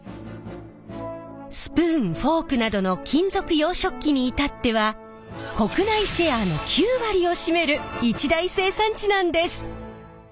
スプーンフォークなどの金属洋食器に至っては国内シェアの９割を占める一大生産地なんです。